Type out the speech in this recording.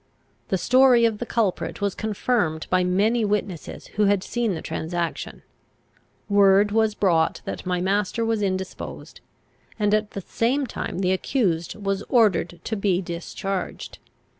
The story of the culprit was confirmed by many witnesses who had seen the transaction. Word was brought that my master was indisposed; and, at the same time, the accused was ordered to be discharged.